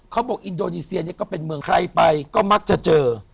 เขาบอกอินโดนีเซียเนี่ยก็เป็นเมืองใครไปก็มักจะเจอ